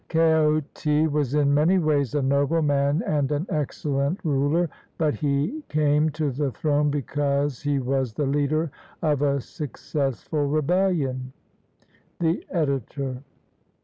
Kaoti was in many ways a noble man and an excellent ruler, but he came to the throne because he was the leader of a successful rebeUion. The Editor.